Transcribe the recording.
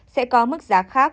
sẽ có mức giá khác